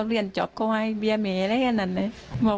เบอร์ลูอยู่แบบนี้มั้งเยอะมาก